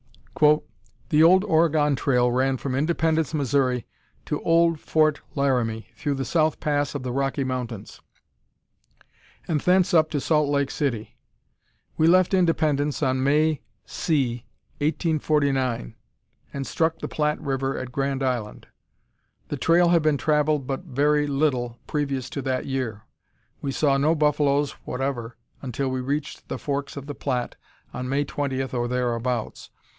"The old Oregon trail ran from Independence, Missouri, to old Fort Laramie, through the South Pass of the Rocky Mountains, and thence up to Salt Lake City. We left Independence on May C, 1849, and struck the Platte River at Grand Island. The trail had been traveled but very little previous to that year. We saw no buffaloes whatever until we reached the forks of the Platte, on May 20, or thereabouts.